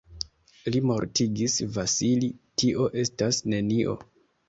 Li mortigis Vasili, tio estas nenio.